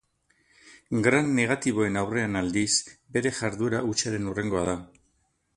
Gram negatiboen aurrean, aldiz, bere jarduera hutsaren hurrengoa da.